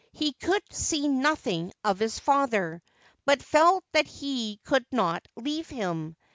He could see nothing of his father, but felt that he could not leave him.